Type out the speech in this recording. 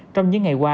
trong những ngày qua